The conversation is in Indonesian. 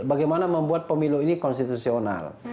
bagaimana membuat pemilu ini konstitusional